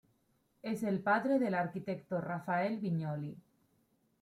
Es el padre del arquitecto Rafael Viñoly.